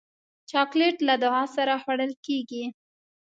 چاکلېټ له دعا سره خوړل کېږي.